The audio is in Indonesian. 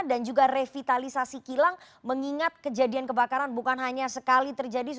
dan juga revitalisasi kilang mengingat kejadian kebakaran bukan hanya sekali terjadi